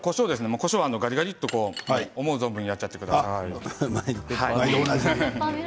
こしょうは、ばりばりっと思う存分やっちゃってください。